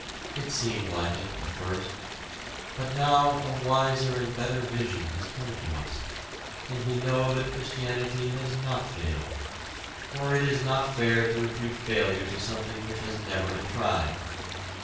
It seemed like it at first. But now a wiser and better vision has come to us, and we know that Christianity has not failed, for it is not fair to impute failure to something which has never been tried.